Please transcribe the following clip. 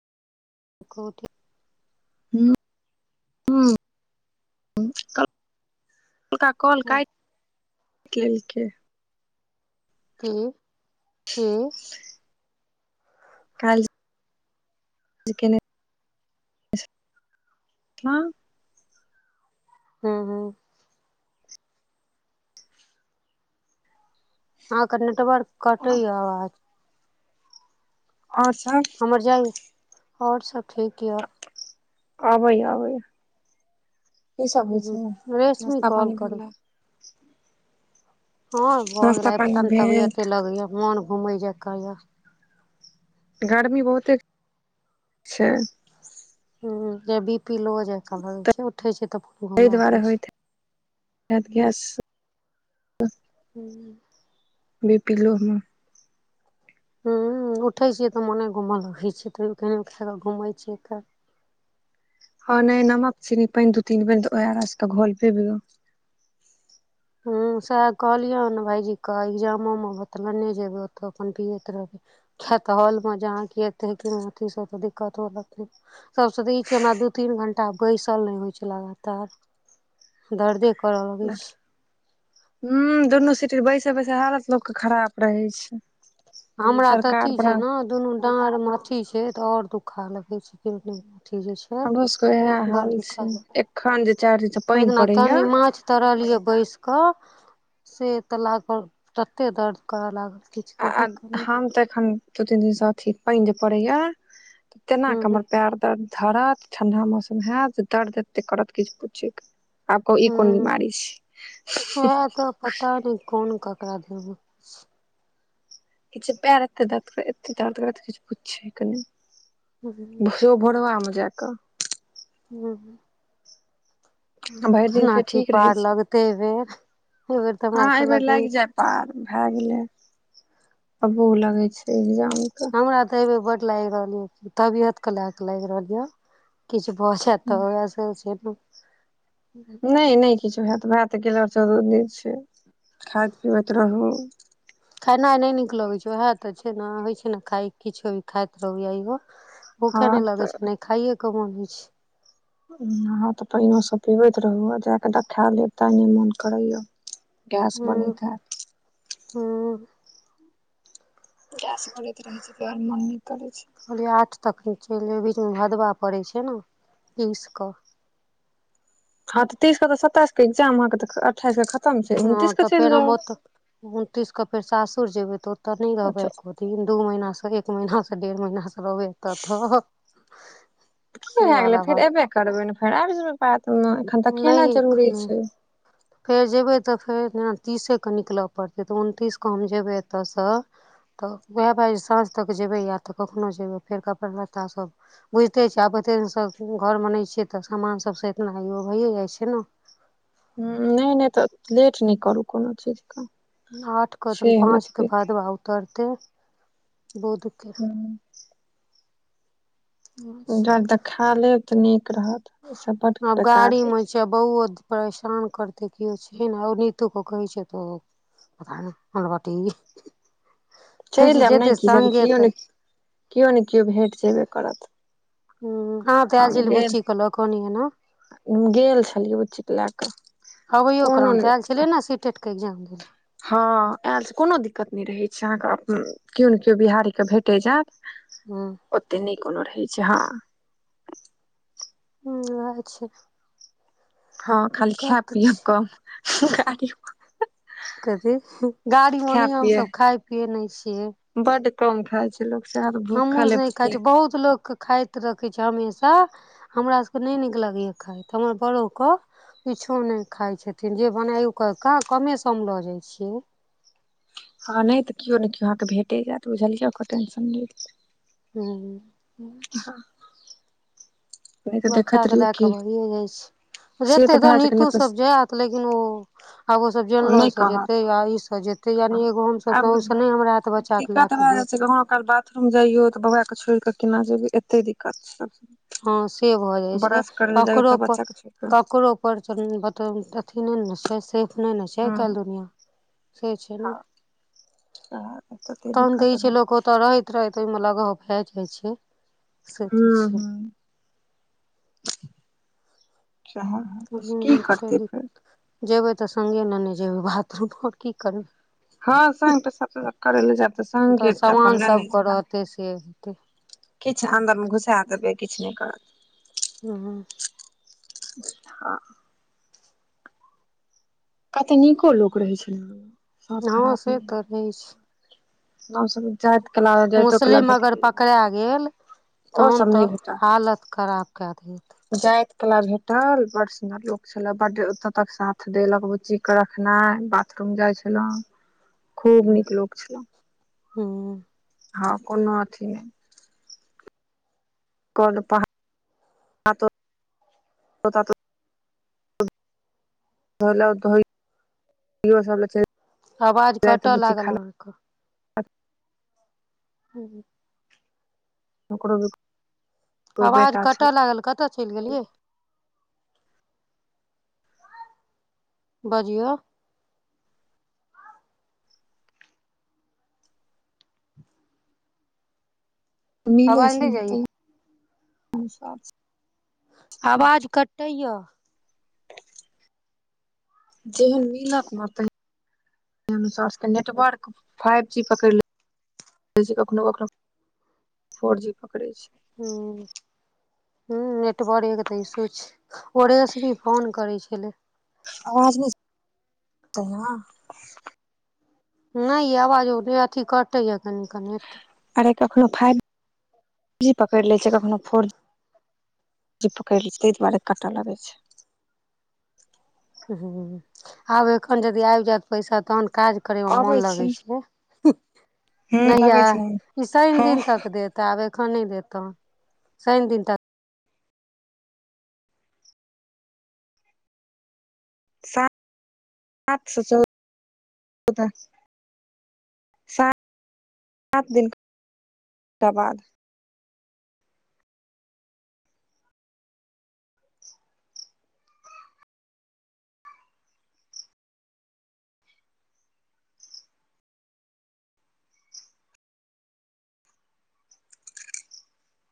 [unintelligible] हू अलका कॉल काटि लेलकै की की [unintelligible] हँ हँ हँ अहाँक नेटवर्क कटै य आवाज आओर सभ आओर सब ठीके य आबै य आबै य की सब होय छै रेशमी नश्ता कॉल पानी करै भेलैय हँ भऽ नाश्ता गेल पानी पता न भेल तबियते लगे या मोन घूमे जकाँ ये गर्मी बहुते छै हूं जे बी पी लो जकाँ लगै तऽ छै उठे छै तऽ घमा दै छै गस [unintelligible] हूँ बि पि लो म हूं उठे छियै तऽ मोने घूम लगै छै तयो के कनी घूमे छियै हँ नहि नमक चीनी पानी दू तीन बेर घोल पिबो ह सएह कहलियै भाईजीे ‌ मामा लेने जेबै ओतऽ अपन पियैत रहबै खेत हल मे जहाँ क एते अथ दिक्कत हो सबसे तऽ ई छै हमरा दू तीन घंटा बैसल नहि होइ छै लगातार दर्दे करऽ लगै ह छै दुनू सिटिंग बैसेबैसे हालत लोकके खराप रहै छै हमरा तऽ सरकार अथी छै बड़ा ने दुनू डार मे अथी छै ते और दुखा लगे छै अथी जे छै हमरो सबके इएह हाल छै एखन जे चारी ओना दिन कनी माछ तरलीयै बैस क से त लागल तते दर्द करऽ लागल किछु कहै आ के नहि हम तऽ एखन दू तीन दिन अथी पानी जे पड़ेय त तेना हूँ कमर पैर दर्द धरत ठण्डा मौसम हयत दर्द एते करत किछु पूछु आब कहु ई कोन हूँ बीमारी छै वएह तऽ पता नहि कोन ककरा देबै किछु पैर एते दर्द कर एते दर्द करै किछु पुछ के नहि हुँ जे भोरवामे जााकऽ हू भरि दिन केना फेर की ठीक रहै पार छै लगतै एहि बेर एहि बेर तऽ हमरा हँ एहि त बेेर ल लागि जाय पार भए गेले तो अबुह लगे छै एग्जाम के हमरा तऽ एबेर बड लागि रहल यै तबियत के ल के लागि रहल यै किछु बहुत जैत त होय से नहि नहि किछो हैत भए तऽ गेल दिन छै खाइत पीबैत रहू खेनाइ नहि नीक लगैत छै उएह तऽ छै ने होइ छै ने खाइ किछो भ खाइत रहू य इहो हँ भूखे नहि लगे तऽ छै ने खाइे के मन होइ छै ह तऽ पानो सब पीबैत रहू जााकऽ देखा लेब ता नहि मोन करैया गैस बनेत हैत हूं गैस बनयत रहै छै त मोन न करै छै कहलिए आठ तक चलि जे बीचमे भदबा पड़ै छै ने तीस कऽ हँ तीस के तऽ सताइस के एक्जाम अहाँ अठाइस खतम छै ह उनतीस के तऽ चलि फेर हम जाउ ओत उनतीस के फेर सासुर जेबे ते ओते नहि रहबै अच्छा तीन दू महीनासँ एक महीनासँ डेढ़ महीनासँ रहबै ततऽ की भै गेलै फेर एबे करबै ने फेर आबि जेबै बादमे एखन तऽ नहि देखेनाइ जरूरी एखन छै फेर जेयबै तऽ फेर जेना तीसेकेँ निकलय पड़तै तऽ उनतीसकेँ हम जेयबै एतयसँ तऽ उएह भए साँझ तक जेयबै या तऽ कखनोहु जेयबै फेर कपड़ा लत्ताभ बुझिते छियै आब एते दीन सँ घरमे नहि छियै तऽ सामान सभसँ इतना इ होइए जाइ छै ने ह नहि नहि तऽ लेट नहि करू कोनो चीजके आठ क से हम पाच के एतबे भादवा उतरते बुध के हू देखा लेब तऽ नीक रहत ई सब बड अब बेकार गाड़ी होइ छै मे बहु परेशान करते कओ छै ने आय नितु के कहै छै त पता नहीं हमरा चलि आयब नहि कि हैत केओ नहि केओ नहि केओ भेट जेबे करत ह ह तऽ आयल हम झ गेल बुच्चीे लऽ कनी एना गेल छलियै बूचि लै कऽ कोनो चलै ने सी टेटके एक्जाम देलऽ हँ, आयलसँ कोनो दिक्कत नहि रहैत छै अहाँके। केओ नहि केओ बिहारीके भेटैत जायत। हँ। ओते नहि कोनो रहै छै, हँ। हू, अच्छा। हँ, खाली खाय पिय छै कऽ कथी गाड़ी, ओनाहियो हमसभ खाय पियए नहि छियै। बढ़ कम खाय छेये। लोकसँ हमहूँ नहि कहै छी, बहुत लोक के खाइत रखैत छै। हमेशा हमरा सभकेँ नहि नीक लगैए खाइत त हमर वादोक किछो नहि खाय छथिन। जे बनाय ओ कऽ कमे सम लऽ जाइ छियै। हँ, नहि तऽ केओ नहि केओ अहाँके भेटे जायत। बुझलियै ओकर टेंशन नहि हँ हू। नहि तऽ देखैत बच्चाके रहियौ लैकऽ की भये जाइ छै। से जेते तऽ भए सकै नितु नहि सभ जायत। लेकिन ओ आब ओ सभ जनरल नहि से कहत जेते या गारी से जेते एतेह हँ गर्मीमे हमसभ तऽ आब ओहिसँ नहि हमरा त बच्चाे लै दिक्कत कऽ भए जाइ गेल। छै कखनो काल जइयो तऽ बौआ के छोड़ि कऽ केना जेबै एते दिक्कत छै सभ हँ से भऽ जाइ छै। तऽ ककरोपर बच्चा के छोड़ कऽ ककरो। पर [unintelligible] अथि ने छै से नै नै सही काल्हि दुनिया से छै ने आ काते दिक्कत किछ भए लोक ओतय रहैत रहैत ओहिमे लगाव भए जाइ छै। से हू तऽ छै हू, सेहा की छै करतै फेर। जेबै तऽ संगे नेने जेबै बाथरूमे आओर की करबै हँ सङ् तऽ करैल जातै तऽ सङ्गे अपन सामान लेने सबके रहतै से हेतै किछु ओकर अन्दरमे देखतै घुसा देबै किछु नहि करत। ह। हँ कत नीको लोक रहे छै ई सभ हँ खरापे से तऽ रह रहै छल छै गाम सभ जायत मुस्लिम अगर पकड़ा गेल ओ तहन सब नहि तऽ हालत। खराब कए देत। जात कला भेटल बड़ सुन्दर लोक छले। बढ साथ देलक बुच्ची के रखनाइ, बाथरूम जाइ छलहुँं। [inaudible] खूब नीक लोग छलै हू हँ कोनो अथि नै काल पर [unintelligible] आवाज नहि कट लागल अहाँके? हँ जी ओकरो। आवाज कट लागल कत चल गेलियै? बाजियो? मिलै आवाज छै नहि ने जाइया तैस [unintelligible] आवाज कटै यए। जेहन मीलत न तेहेन। नुस सभके नेटवर्क फाइव जी पकड़ि ले कखनो कखनो। फोर जी पकड़े छैय। हूं ह नेटवरे तऽ इशू छैय ओ रेसमी भी फोन करै छलय। [unintelligible] नहि ये आवाज ओ अथी कटै य कनि क नेट। आरे कखनो फाइव जी पकड़ लय छैय कखनो फोर जी। जे पकड़ि लैय ताहि दुआरे कटऽ लगै छैय। हूं आब एखन यदि आबि जायत पैसा तहन काज करे मे मन अबै छी लगै छैय ह नय यै लगै छै ई शनि हँ दिन तक देत। त आब एखन नहि देत तहन शनि दिन तक सात स [unintelligible] सात दिन के बाद।